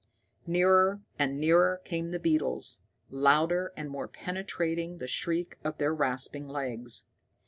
Nearer and nearer came the beetles, louder and more penetrating the shriek of their rasping legs.